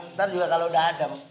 ntar juga kalau udah ada